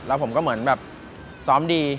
แล้วผมก็เหมือนแบบซ้อมดี